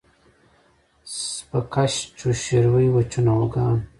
سپه کش چو شیروي و چون آوگان